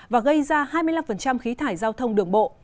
và gây ra hai mươi năm khí thải giao thông đường bộ